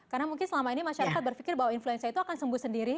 karena mungkin selama ini masyarakat berpikir bahwa influenza itu akan sembuh sendiri